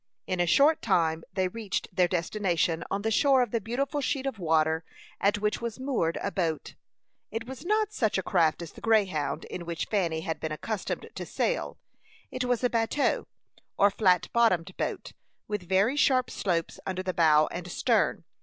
In a short time they reached their destination, on the shore of the beautiful sheet of water at which was moored a boat. It was not such a craft as the Greyhound, in which Fanny had been accustomed to sail; it was a bateau, or flat bottomed boat, with very sharp slopes under the bow and stern.